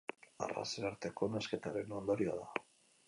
Arrazen arteko nahasketaren ondorioa da.